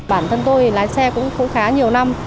bản thân tôi thì lái xe cũng khá nhiều năm